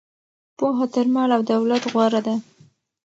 پوهه تر مال او دولت غوره ده.